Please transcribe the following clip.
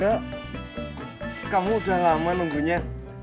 ya kamu udah lama nunggunya